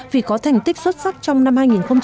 vì có thành tích xuất sắc trong năm hai nghìn một mươi bảy